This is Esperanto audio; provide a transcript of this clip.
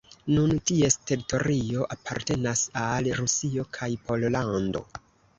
Nun ties teritorio apartenas al Rusio kaj Pollando.